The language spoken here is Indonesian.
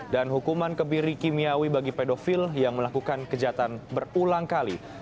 dan hukuman kebiri kimiawi bagi pedofil yang melakukan kejatan berulang kali